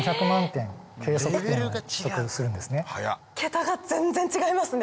桁が全然違いますね。